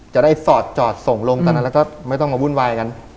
จะได้สอดจอดส่งลงตอนนั้นแล้วก็ไม่ต้องมาวุ่นวายกัน